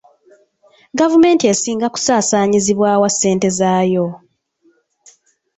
Gavumenti esinga kusaasaanyizibwa wa ssente zaayo?